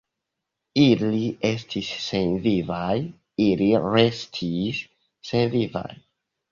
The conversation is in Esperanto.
Ili estis senvivaj, ili restis senvivaj!